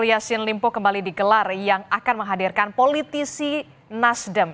yassin limpo kembali digelar yang akan menghadirkan politisi nasdem